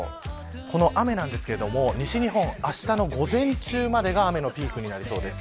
この雨ですが西日本、あしたの午前中までが雨のピークになりそうです。